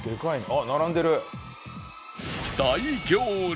あっ並んでる。